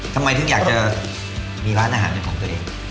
ทำไมถึงอยากจะมีร้านอาหารเป็นของตัวเอง